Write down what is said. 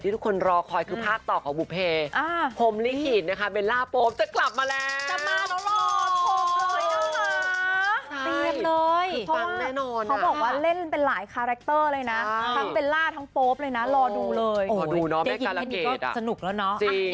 ที่ก็ทำให้เรามาถึงจุดนี้นั่นแหละ